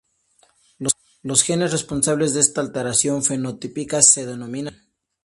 Los genes responsables de estas alteraciones fenotípicas se denominan "rol".